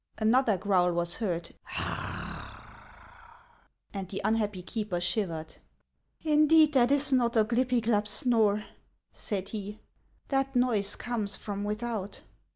Another growl was heard, and the unhappy keeper shivered. "Indeed, that is not Oglypiglap's snore," said he; "that noise comes from without."